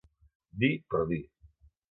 Dir per dir.